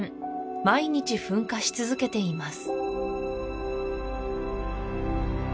毎日噴火し続けています